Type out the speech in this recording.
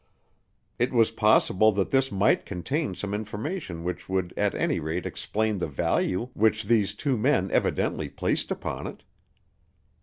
It was possible that this might contain some information which would at any rate explain the value which these two men evidently placed upon it.